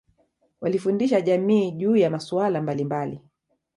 walifundisha jamii juu ya masuala mbalimbali